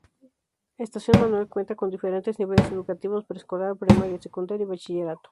Estación Manuel Cuenta con diferentes niveles educativos, Preescolar, primaria, secundaria y Bachillerato